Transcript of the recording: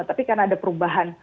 tapi karena ada perubahan